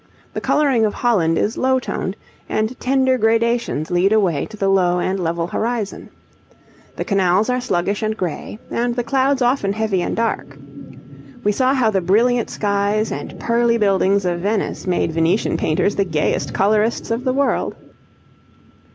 The colouring of Holland is low toned, and tender gradations lead away to the low and level horizon. The canals are sluggish and grey, and the clouds often heavy and dark. We saw how the brilliant skies and pearly buildings of Venice made Venetian painters the gayest colourists of the world.